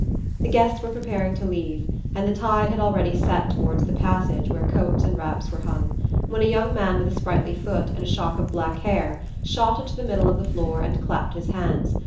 The guests were preparing to leave, and the tide had already set toward the passage where coats and wraps were hung, when a young man with a sprightly foot and a shock of black hair shot into the middle of the floor and clapped his hands.